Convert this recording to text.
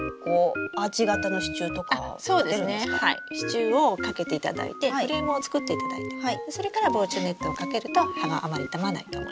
支柱をかけていただいてフレームを作っていただいてそれから防虫ネットをかけると葉があまり傷まないと思います。